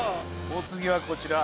お次はこちら。